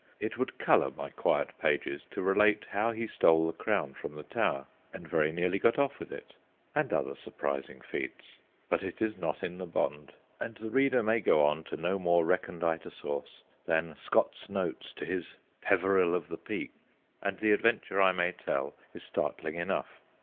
It would colour my quiet pages to relate how he stole the crown from the Tower, and very nearly got off with it, and other surprising feats. But it is not in the bond, and the reader may go to no more recondite a source than Scott's notes to his Peveril of the Peak, and the adventure I may tell is startling enough.